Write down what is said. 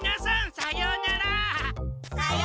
さようなら！